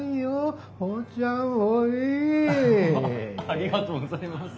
ありがとうございます。